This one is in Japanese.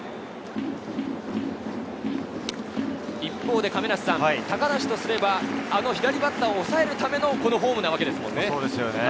一方で高梨とすれば、左バッターを抑えるためのフォームなわけですもんね。